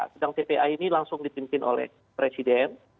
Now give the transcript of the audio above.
sedang tpa ini langsung dipimpin oleh presiden